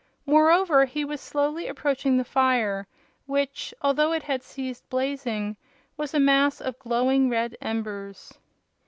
Moreover, he was slowly approaching the fire, which, although it had ceased blazing, was a mass of glowing red embers.